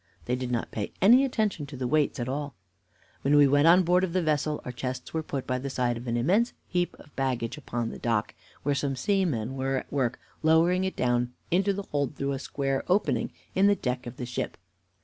They did not pay any attention to the weights at all. "When we went on board of the vessel our chests were put by the side of an immense heap of baggage upon the deck, where some seamen were at work lowering it down into the hold through a square opening in the deck of the ship.